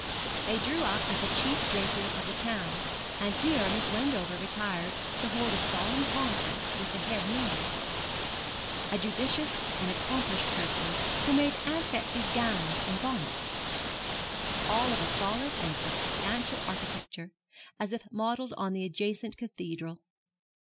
They drew up at the chief draper's of the town; and here Miss Wendover retired to hold a solemn conference with the head milliner, a judicious and accomplished person who made Aunt Betsy's gowns and bonnets all of a solid and substantial architecture, as if modelled on the adjacent cathedral.